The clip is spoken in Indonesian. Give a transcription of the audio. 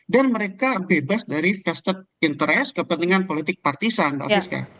dan mereka bebas dari vested interest kepentingan politik partisana mbak friska